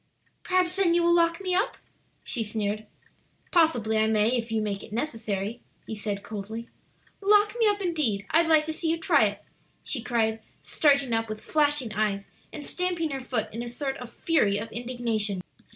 "Perhaps, then, you will lock me up?" she sneered. "Possibly I may, if you make it necessary," he said coldly. "Lock me up, indeed! I'd like to see you try it!" she cried, starting up with flashing eyes, and stamping her foot in a sort of fury of indignation.